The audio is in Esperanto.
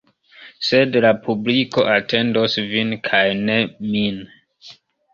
Sed la publiko atendos vin kaj ne min.